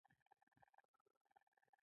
دا عادت ورو ورو په مینه واوښت.